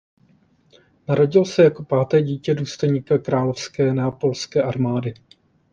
Narodil se jako páté dítě důstojníka královské neapolské armády.